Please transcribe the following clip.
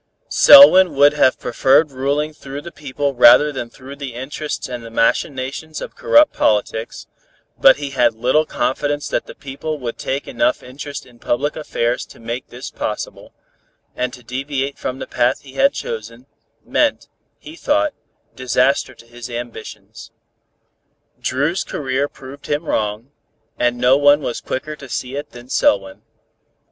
Selwyn would have preferred ruling through the people rather than through the interests and the machinations of corrupt politics, but he had little confidence that the people would take enough interest in public affairs to make this possible, and to deviate from the path he had chosen, meant, he thought, disaster to his ambitions. Dru's career proved him wrong, and no one was quicker to see it than Selwyn.